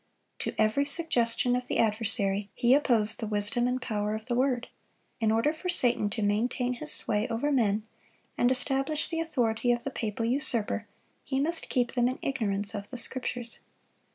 To every suggestion of the adversary, He opposed the wisdom and power of the Word. In order for Satan to maintain his sway over men, and establish the authority of the papal usurper, he must keep them in ignorance of the Scriptures.